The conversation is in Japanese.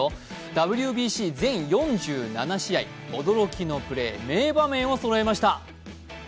ＷＢＣ全４７試合、驚きのプレー名場面をそろえました！